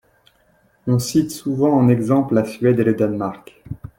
On cite souvent en exemple la Suède et le Danemark.